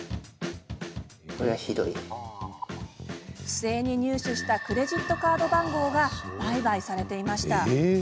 不正に入手したクレジットカード番号が売買されていました。